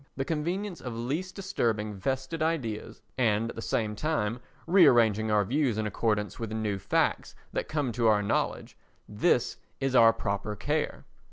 The convenience of least disturbing vested ideas, and at the same time rearranging our views in accordance with new facts that come to our knowledge, this is our proper care.